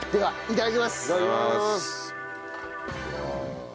いただきます！